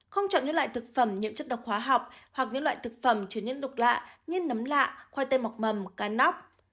không chọn những loại thực phẩm nhiễm chất độc hóa học hoặc những loại thực phẩm chứa những lục lạ như nấm lạ khoai tây mọc mầm cá nóc